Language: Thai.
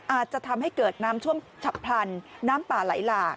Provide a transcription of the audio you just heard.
อาจจะทำให้เกิดน้ำท่วมฉับพลันน้ำป่าไหลหลาก